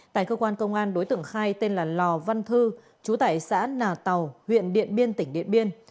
tại cơ quan công an đối tượng khai tên là lò văn thư chú tại xã nà tàu huyện điện biên tỉnh điện biên